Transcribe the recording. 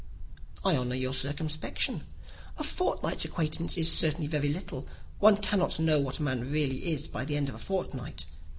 "I honour your circumspection. A fortnight's acquaintance is certainly very little. One cannot know what a man really is by the end of a fortnight.